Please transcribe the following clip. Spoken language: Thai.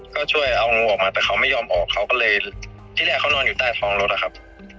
ก็ช่วยเอางูออกมาแต่เขาไม่ยอมออกเขาก็เลยที่แรกเขานอนอยู่ใต้ท้องรถอะครับ